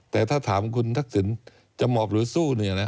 แต่ถ้าถามคุณทักษิณจะหมอบหรือสู้